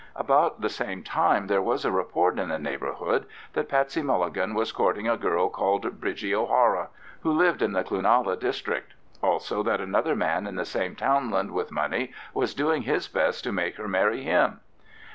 About the same time there was a report in the neighbourhood that Patsey Mulligan was courting a girl called Bridgie O'Hara, who lived in the Cloonalla district; also that another man in the same townland with money was doing his best to make her marry him.